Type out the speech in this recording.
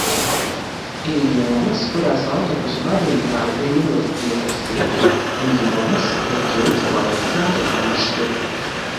Ir jomas, kurās autobusu vadītāji ir ļoti pieprasīti, un jomas, kur trūkst kvalificētu ārstu.